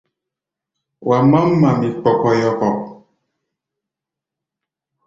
Wa mám mamí kpɔkɔyɔkɔ.